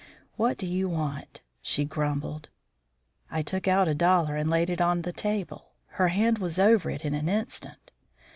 "What do you want?" she grumbled. I took out a dollar and laid it on the table. Her hand was over it in an instant.